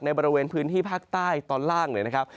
บริเวณพื้นที่ภาคใต้ตอนล่างเลยนะครับ